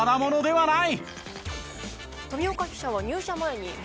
はい。